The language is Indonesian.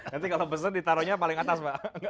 nanti kalau pesen ditaruhnya paling atas pak